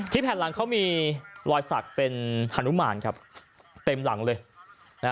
ที่แผ่นหลังเค้ามีรอยสัตว์เป็นฮนุมารครับเต็มหลังเลย